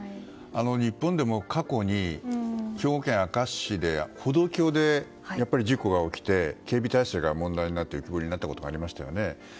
日本でも過去に兵庫県明石市で歩道橋で事故が起きて警備態勢の問題が浮き彫りになったことがありましたよね。